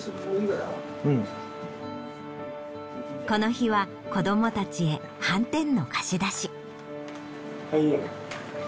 この日は子どもたちへ半てんの貸し出し。